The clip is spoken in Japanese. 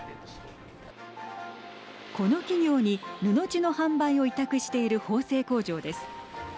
この企業に布地の販売を委託している縫製工場です。